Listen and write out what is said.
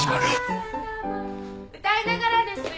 歌いながらですよ。